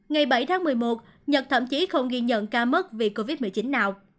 ngày bảy tháng một mươi một nhật thậm chí không ghi nhận ca mắc vì covid một mươi chín nào